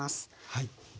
はい。